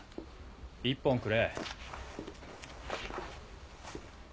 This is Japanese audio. １本くれ。